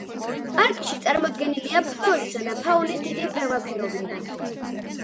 პარკში წარმოდგენილია ფლორისა და ფაუნის დიდი მრავალფეროვნება.